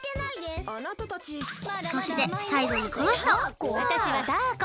そしてさいごにこのひとわたしはタアコ。